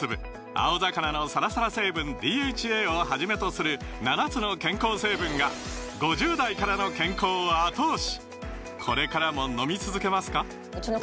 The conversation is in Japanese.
青魚のサラサラ成分ＤＨＡをはじめとする７つの健康成分が５０代からの健康を後押し！